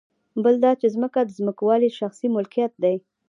بل دا چې ځمکه د ځمکوالو شخصي ملکیت دی